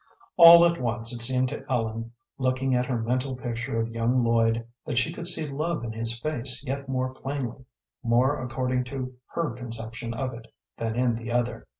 All at once it seemed to Ellen, looking at her mental picture of young Lloyd, that she could see love in his face yet more plainly, more according to her conception of it, than in the other.